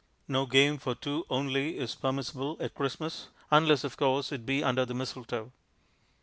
No game for two only is permissible at Christmas unless, of course, it be under the mistletoe.